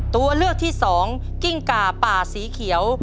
ตัวเลือกที่สองกิ้งก่าป่าสีเขียว